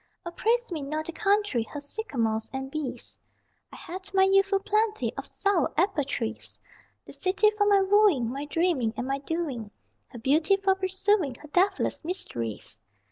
O praise me not the country, Her sycamores and bees, I had my youthful plenty of sour apple trees! The city for my wooing, My dreaming and my doing; Her beauty for pursuing, Her deathless mysteries.